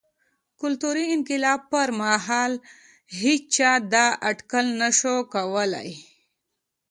کلتوري انقلاب پر مهال هېچا دا اټکل نه شوای کولای.